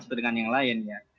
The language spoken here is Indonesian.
atau dengan yang lain ya